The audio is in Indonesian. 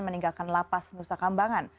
meninggalkan lapas nusa kambangan